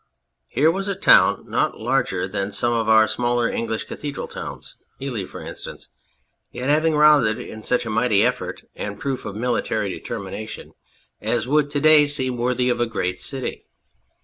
Here was a town not larger than some of our smaller English cathedral towns, Ely for instance, yet having round it such a mighty effort and proof of military determination as would to day seem worthy of a great city.